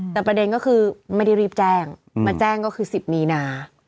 แต่ประเด็นก็คือไม่ได้รีบแจ้งมาแจ้งก็คือ๑๐มีนา